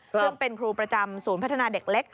ซึ่งเป็นครูประจำศูนย์พัฒนาเด็กเล็ก